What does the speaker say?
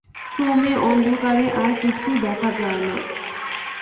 ক্রমে অন্ধকারে আর কিছুই দেখা যায় না।